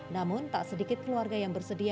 namun tak sedikit keluarga yang bersedia